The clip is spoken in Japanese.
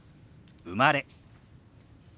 「生まれ」。